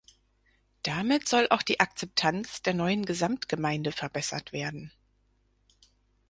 Damit soll auch die Akzeptanz der neuen Gesamtgemeinde verbessert werden.